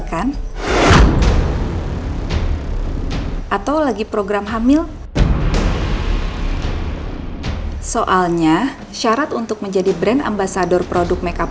atau lagi program hamil soalnya syarat untuk menjadi brand ambasador produk makeup